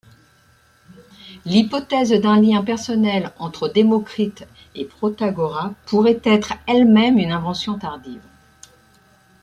L'hypothèse d'un lien personnel entre Démocrite et Protagoras pourrait être elle-même une invention tardive.